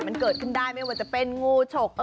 มันเกิดขึ้นได้ไม่ว่าจะเป็นงูฉก